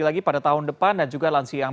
lagi pada tahun depan dan juga lansia yang